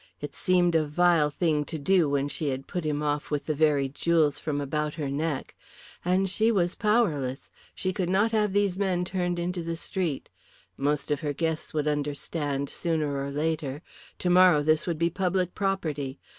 It seemed a vile thing to do when she had put him off with the very jewels from about her neck. And she was powerless she could not have these men turned into the street. Most of her guests would understand sooner or later. Tomorrow this would be public property.